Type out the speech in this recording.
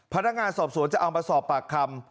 พนักงานสอบสวนจะเอามาสอบปากคำ